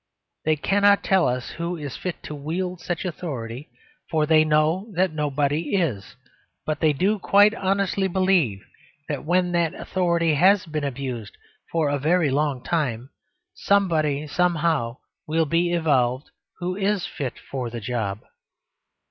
They cannot tell us who is fit to wield such authority, for they know that nobody is; but they do quite honestly believe that when that authority has been abused for a very long time, somebody somehow will be evolved who is fit for the job.